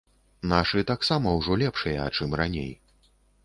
Нашы таксама ўжо лепшыя, чым раней.